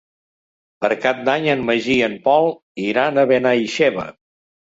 Per Cap d'Any en Magí i en Pol iran a Benaixeve.